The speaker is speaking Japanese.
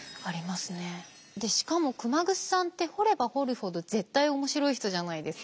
しかも熊楠さんって掘れば掘るほど絶対面白い人じゃないですか。